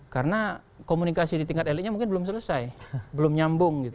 karena komunikasi di tingkat elitnya mungkin belum selesai belum nyambung